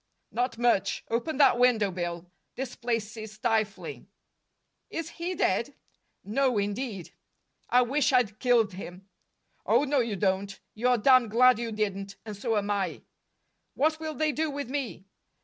"Not much. Open that window, Bill. This place is stifling." "Is he dead?" "No, indeed." "I wish I'd killed him!" "Oh, no, you don't. You're damned glad you didn't, and so am I." "What will they do with me?"